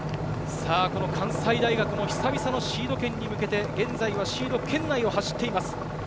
関西大学の久々のシード権に向けて現在はシード圏内を走っています。